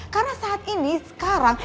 karena saat ini sekarang